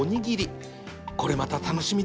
これまた楽しみだ